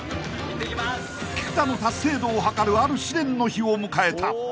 ［菊田の達成度をはかるある試練の日を迎えた］